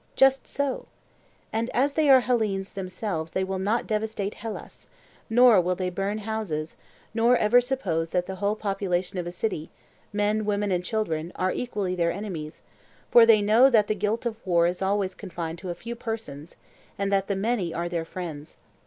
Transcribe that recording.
Just so. And as they are Hellenes themselves they will not devastate Hellas, nor will they burn houses, nor ever suppose that the whole population of a city—men, women, and children—are equally their enemies, for they know that the guilt of war is always confined to a few persons and that the many are their friends.